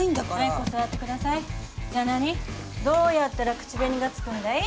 どうやったら口紅がつくんだい？